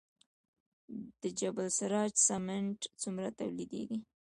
د جبل السراج سمنټ څومره تولیدیږي؟